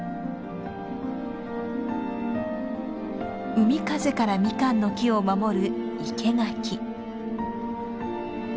海風からミカンの木を守る